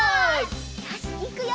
よしいくよ！